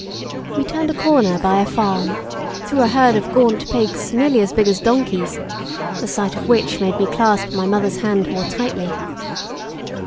We turned a corner by a farm, through a herd of gaunt pigs nearly as big as donkeys the sight of which made me clasp my mother's hand more tightly.